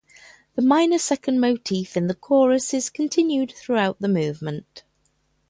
The minor second motif in the chorus is continued throughout the movement.